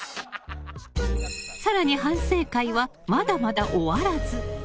更に反省会はまだまだ終わらず。